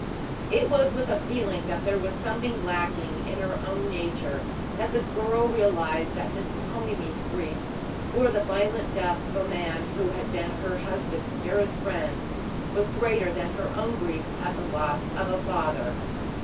It was with a feeling that there was something lacking in her own nature, that the girl realised that Mrs. Holymead's grief for the violent death of a man who had been her husband's dearest friend was greater than her own grief at the loss of a father.